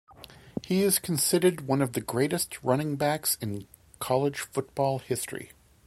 He is considered one of the greatest running backs in college football history.